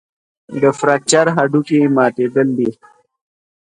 د فراکچر هډوکی ماتېدل دي.